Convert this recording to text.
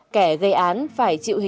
kẻ gây án phải chịu hình thức